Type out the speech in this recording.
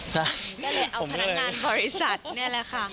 ก็เลยเอาพนักงานบริษัทนี่แหละค่ะ